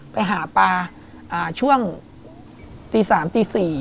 ไปหาปลาช่วงตี๓ตี๔